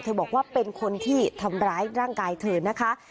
บอกว่าเป็นคนที่ทำร้ายร่างกายเธอนะคะ